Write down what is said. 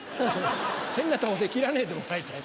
変なとこで切らねえでもらいたい。